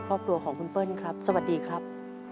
ครอบครัวของคุณเปิ้ลครับสวัสดีครับ